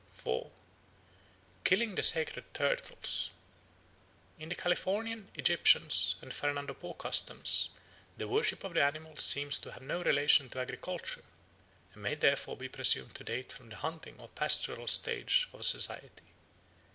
4. Killing the Sacred Turtles IN THE CALIFORNIAN, Egyptian, and Fernando Po customs the worship of the animal seems to have no relation to agriculture, and may therefore be presumed to date from the hunting or pastoral stage of society.